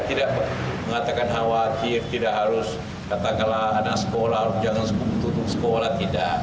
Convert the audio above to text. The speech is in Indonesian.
tidak mengatakan khawatir tidak harus katakanlah anak sekolah jangan tutup sekolah tidak